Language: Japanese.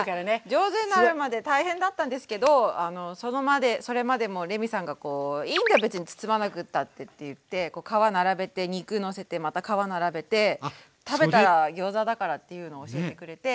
上手になるまで大変だったんですけどそれまでもレミさんがこう「いいんだ別に包まなくたって」って言って皮並べて肉のせてまた皮並べて食べたらギョーザだからっていうのを教えてくれて。